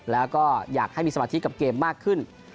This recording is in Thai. แล้วก็อยากให้มีสมาธิกับเกมมากขึ้น